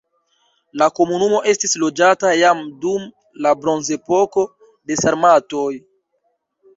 La komunumo estis loĝata jam dum la bronzepoko, de sarmatoj.